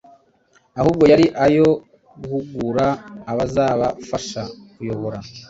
ahubwo yari ayo guhugura abazabafasha kuyobora